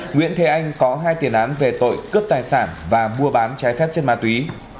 nguyễn thế anh có hai tiền án về tội cướp tài sản và mua bán trái phép chất ma túy